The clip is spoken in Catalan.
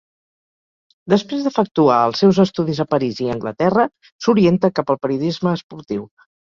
Després d'efectuar els seus estudis a París i Anglaterra, s'orienta cap al periodisme esportiu.